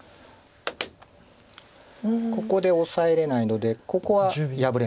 ここでオサえれないのでここは破れます。